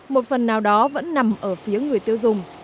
một phần nào đó vẫn nằm ở phía người tiêu dùng